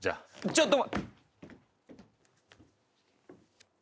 ちょっと。